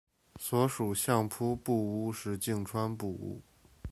所属相扑部屋是境川部屋。